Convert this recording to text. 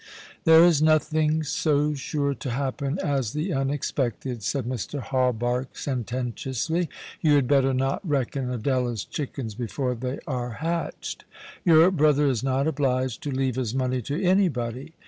" There is nothing so sure to happen as the unexpected," said Mr. Hawberk, sententiously. " You had better not reckon Adela's chickens before they are hatched. Your brother is not obliged to leave his money to anybody.